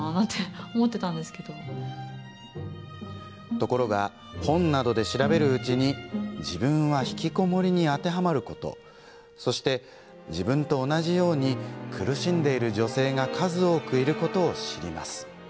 ところが、本などで調べるうちに自分はひきこもりに当てはまることそして、自分と同じように苦しんでいる女性が数多くいることを知ります。